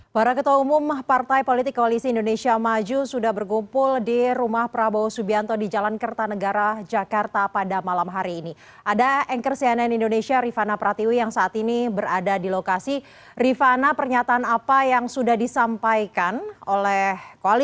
bagaimana pernyataan dari rivana pratiwi